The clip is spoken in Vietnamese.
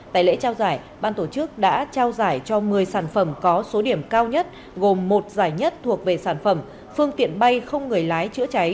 tại lễ trao giải ban tổ chức đã trao giải cho một mươi sản phẩm có số điểm cao nhất gồm một giải nhất thuộc về sản phẩm phương tiện bay không người lái chữa cháy